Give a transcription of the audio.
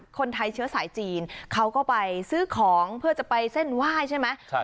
คนไทยเชื้อสายจีนเขาก็ไปซื้อของเพื่อจะไปเส้นไหว้ใช่ไหม